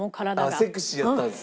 セクシーやったんですね？